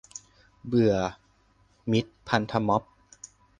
เบื่อมิตรพันธม็อบ